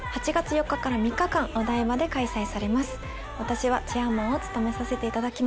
私はチェアマンを務めさせていただきます。